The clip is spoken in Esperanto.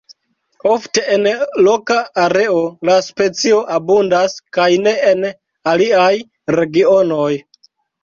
Ofte en loka areo la specio abundas, kaj ne en aliaj regionoj.